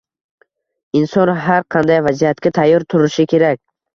Inson har qanday vaziyatga tayyor turishi kerak